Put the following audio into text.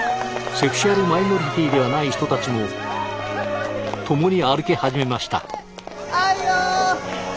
セクシュアルマイノリティではない人たちも共に歩き始めました。